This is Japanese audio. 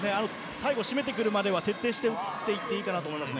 最後、締めてくるまでは徹底して打っていっていいかなと思います。